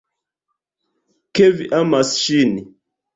Ke vi amas ŝin.